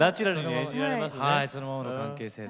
はいそのままの関係性で。